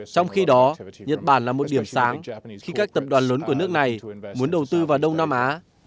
trong khi đó nhật bản là một điểm sáng khi các tập đoàn lớn của nước này muốn đầu tư vào đông nam á